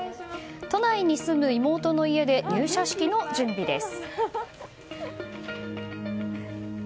都内に住む妹の家で入社式の準備です。